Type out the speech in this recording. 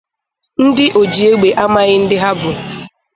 ndị ojiegbe á mághị ndị ha bụ